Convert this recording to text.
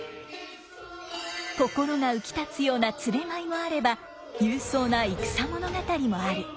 心が浮き立つような連れ舞いもあれば勇壮な戦物語もある。